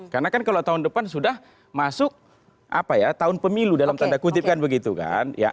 karena kan kalau tahun depan sudah masuk apa ya tahun pemilu dalam tanda kutip kan begitu kan